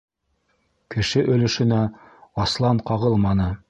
Кеше өлөшөнә аслан ҡағылманы.